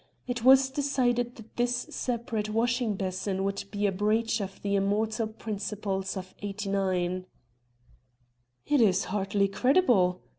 It was decided that this separate washing basin would be a breach of the Immortal Principles of '89." "It is hardly credible!"